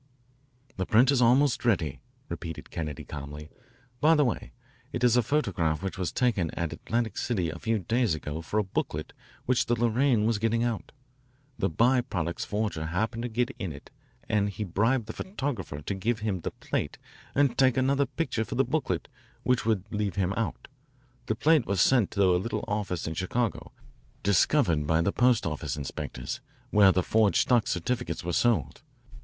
"The print is almost ready," repeated Kennedy calmly. "By the way, it is a photograph which was taken at Atlantic City a few days ago for a booklet which the Lorraine was getting out. The By Products forger happened to get in it and he bribed the photographer to give him the plate and take another picture for the booklet which would leave him out. The plate was sent to a little office in Chicago, discovered by the post office inspectors, where the forged stock certificates were sold.